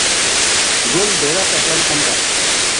گل ڈیرا تا چل کم کر